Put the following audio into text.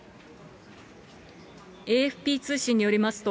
ＡＦＰ通信によりますと、